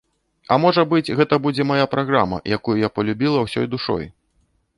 А, можа быць, гэта будзе мая праграма, якую я палюбіла ўсёй душой.